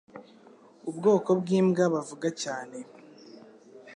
Ubwoko bwimbwa Bavuga cyane